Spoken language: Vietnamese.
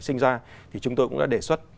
sinh ra thì chúng tôi cũng đã đề xuất